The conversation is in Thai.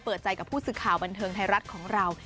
เปิดใจกับผู้สื่อข่าวบันเทิงไทยรัฐของเรา